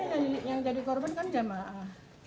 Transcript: sementara yang jadi korban kan jemaah